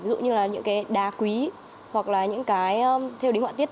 ví dụ như là những cái đa quý hoặc là những cái theo đính hoạn tiết